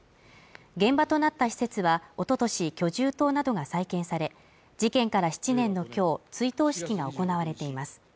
現場となった施設はおととし居住棟などが再建され事件から７年のきょう追悼式が行われています